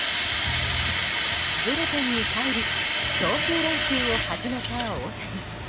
ブルペンに入り投球練習を始めた大谷。